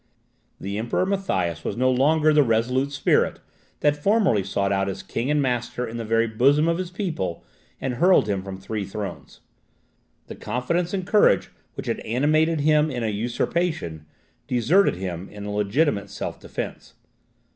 The Emperor Matthias was no longer the resolute spirit that formerly sought out his king and master in the very bosom of his people, and hurled him from three thrones. The confidence and courage which had animated him in an usurpation, deserted him in a legitimate self defence.